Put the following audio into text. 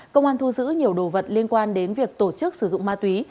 công an thu giữ nhiều đồ vật liên quan đến việc tổ chức sử dụng ma túy